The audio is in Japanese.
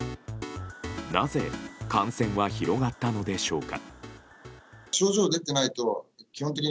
なぜ感染は広がったのでしょうか。